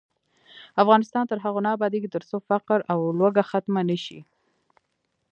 افغانستان تر هغو نه ابادیږي، ترڅو فقر او لوږه ختمه نشي.